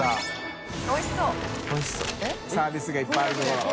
サービスがいっぱいあるところ。